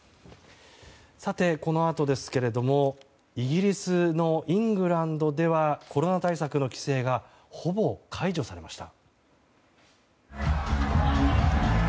さて、このあとですけれどもイギリスのイングランドではコロナ対策の規制がほぼ解除されました。